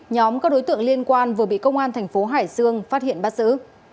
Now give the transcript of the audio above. nhóm các đối tượng liên quan vừa bị công an thành phố hải dương phát hiện bắt giữ